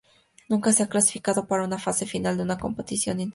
Nunca se ha clasificado para una fase final de una competición internacional.